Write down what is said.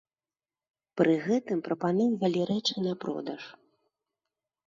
Пры гэтым прапаноўвалі рэчы на продаж.